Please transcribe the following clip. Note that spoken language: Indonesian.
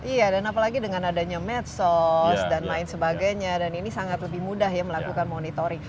iya dan apalagi dengan adanya medsos dan lain sebagainya dan ini sangat lebih mudah ya melakukan monitoring